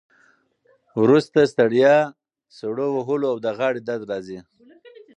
وروسته ستړیا، سړو وهلو او د غاړې درد راځي.